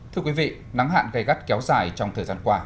thưa quý vị nắng hạn gây gắt kéo dài trong thời gian qua